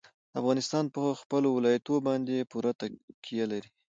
افغانستان په خپلو ولایتونو باندې پوره تکیه لري.